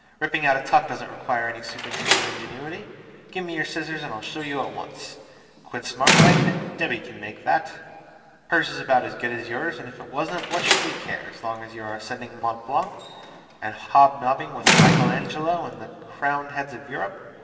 Ripping out a tuck doesn't require any superhuman ingenuity! Give me your scissors, and I'll show you at once. Quince marmalade? Debby can make that. Hers is about as good as yours; and if it wasn't, what should we care, as long as you are ascending Mont Blanc, and hob nobbing with Michael Angelo and the crowned heads of Europe?